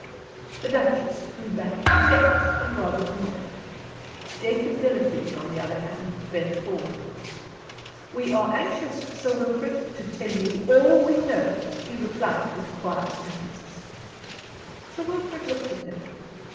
The Duchess drew back, checked, and rather annoyed. Jacob Delafield, on the other hand, bent forward. "We are anxious, Sir Wilfrid, to tell you all we know," he replied, with quiet emphasis. Sir Wilfrid looked at him.